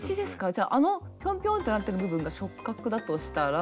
じゃああのピョンピョンってなってる部分が触角だとしたら。